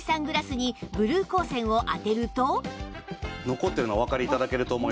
残ってるのがおわかり頂けると思います。